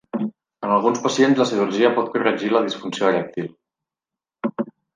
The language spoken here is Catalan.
En alguns pacients, la cirurgia pot corregir la disfunció erèctil.